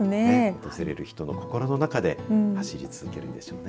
訪れる人の心の中で走り続けるんでしょうね。